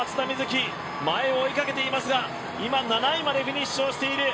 生前を追いかけていますが今、７位までフィニッシュをしている。